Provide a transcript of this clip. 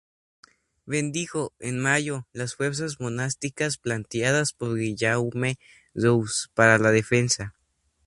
Bendijo, en mayo, las fuerzas monásticas planteadas por Guillaume Rose para la defensa.